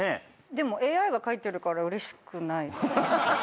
でもＡＩが書いてるからうれしくない。